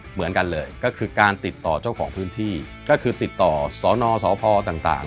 เหมือนกันเลยก็คือการติดต่อเจ้าของพื้นที่ก็คือติดต่อสนสพต่าง